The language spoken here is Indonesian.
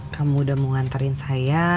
kamu udah mau ngantarin saya